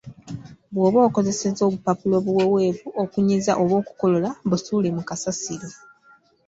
Bw’oba okozesezza obupapula obuweweevu okunyiza oba okukolola, busuule mu kasasiro.